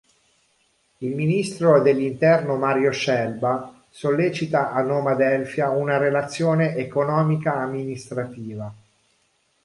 Il ministro dell’interno Mario Scelba sollecita a Nomadelfia una relazione economica-amministrativa.